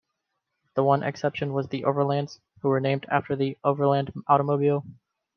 The one exception was The Overlands, who were named after the Overland Automobile.